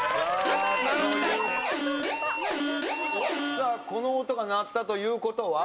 さあこの音が鳴ったという事は？